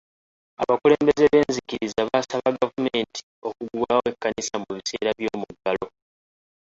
Abakulembeze b'enzikiriza baasaba gavumenti okuggulawo ekkanisa mu biseera by'omuggalo.